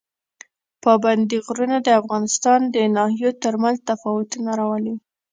پابندي غرونه د افغانستان د ناحیو ترمنځ تفاوتونه راولي.